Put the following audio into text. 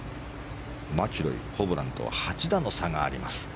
マキロイ、ホブランと８打の差があります。